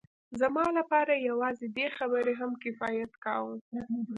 زما لپاره یوازې دې خبرې هم کفایت کاوه